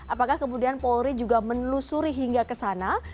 apakah kemudian polri juga menelusuri hingga ke sana